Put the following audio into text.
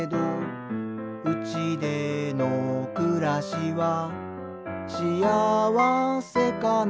「うちでのくらしは幸せかな」